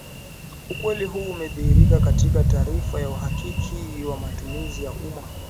Ukweli huu umedhihirika katika taarifa ya uhakiki wa matumizi ya umma